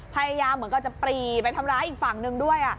พยายามเหมือนกับจะปรีไปทำร้ายอีกฝั่งหนึ่งด้วย